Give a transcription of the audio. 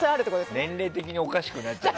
年齢的におかしくなっちゃう。